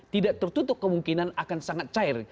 tidak tertutup kemungkinan akan sangat cair